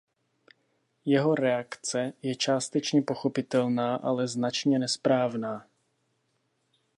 Jeho reakce je částečně pochopitelná, ale značně nesprávná.